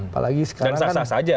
dan sasah saja